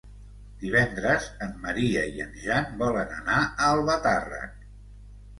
Divendres en Maria i en Jan volen anar a Albatàrrec.